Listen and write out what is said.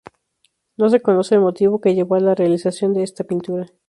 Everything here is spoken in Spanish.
No se conoce el motivo que llevó a la realización de esta pintura.